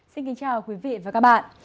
xin kính chào quý vị và các bạn